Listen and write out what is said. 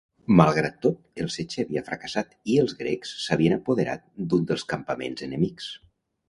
Malgrat tol, el setge havia fracassat i els grecs s'havien apoderat d'un dels campaments enemics.